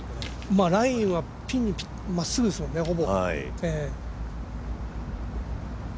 ラインはピンまっすぐですもんね、ほぼ。